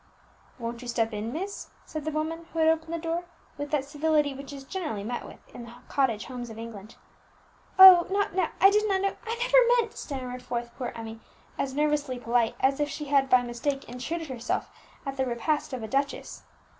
"Won't you step in, miss?" said the woman who had opened the door, with that civility which is generally met with in the cottage homes of England. "Oh not now I did not know I never meant " stammered forth poor Emmie, as nervously polite as if she had by mistake intruded herself at the repast of a duchess.